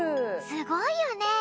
すごいよね！